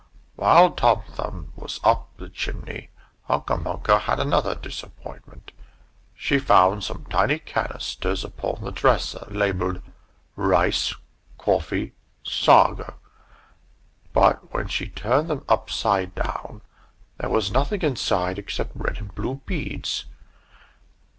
While Tom Thumb was up the chimney, Hunca Munca had another disappointment. She found some tiny canisters upon the dresser, labelled Rice Coffee Sago but when she turned them upside down, there was nothing inside except red and blue beads.